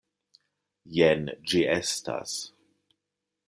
Jen ĝi estas: